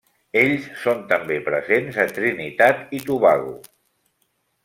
Ells són també present a Trinitat i Tobago.